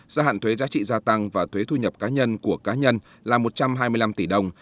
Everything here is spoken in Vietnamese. gia hạn thuế giá trị gia tăng và thuế thu nhập cá nhân của cá nhân là một trăm hai mươi năm tỷ đồng